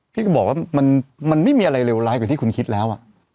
พี่ก็บอกว่ามันไม่มีอะไรเลวร้ายกว่าที่คุณคิดแล้ว